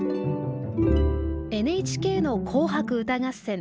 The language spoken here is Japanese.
ＮＨＫの「紅白歌合戦」。